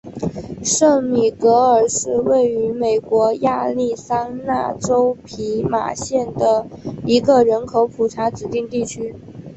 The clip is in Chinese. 圣米格尔是位于美国亚利桑那州皮马县的一个人口普查指定地区。